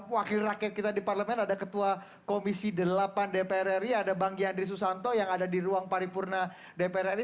wakil rakyat kita di parlemen ada ketua komisi delapan dpr ri ada bang yandri susanto yang ada di ruang paripurna dpr ri